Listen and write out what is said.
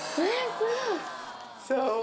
すごい。